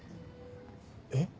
えっ？